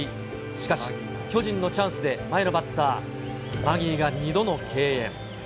しかし、巨人のチャンスで、前のバッター、マギーが２度の敬遠。